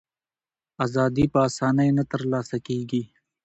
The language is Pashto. ازادي په آسانۍ نه ترلاسه کېږي.